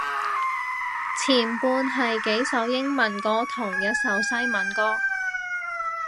前半係幾首英文歌同一首西文歌